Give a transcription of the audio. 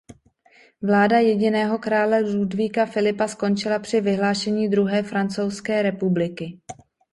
Vláda jediného krále Ludvíka Filipa skončila při vyhlášení druhé Francouzské republiky.